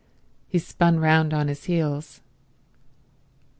He spun round on his heels.